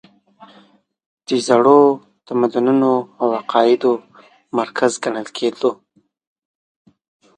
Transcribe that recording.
د زړو تمدنونو او عقایدو مرکز ګڼل کېده.